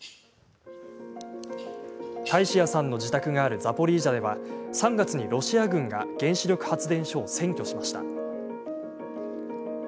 タイシアさんの自宅があるザポリージャでは３月にロシア軍が原子力発電所を占拠しました。